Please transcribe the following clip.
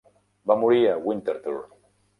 Va morir a Winterthur.